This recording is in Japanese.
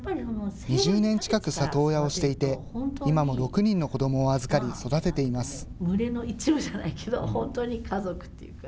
２０年近く里親をしていて、今も６人の子どもを預かり、育てています。